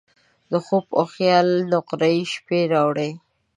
د خوب او خیال نقرهيي شپې راوړي